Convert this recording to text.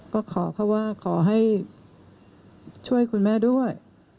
ก็ขอเขาว่าขอให้ช่วยคุณแม่ด้วย